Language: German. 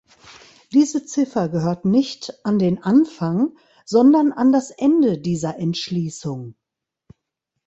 Diese Ziffer gehört nicht an den Anfang, sondern an das Ende dieser Entschließung.